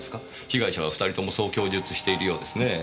被害者は２人ともそう供述しているようですねぇ。